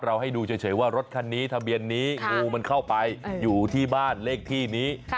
ให้ดูเฉยว่ารถคันนี้ทะเบียนนี้งูมันเข้าไปอยู่ที่บ้านเลขที่นี้